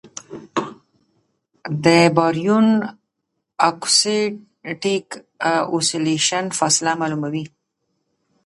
د باریون اکوسټک اوسیلیشن فاصله معلوموي.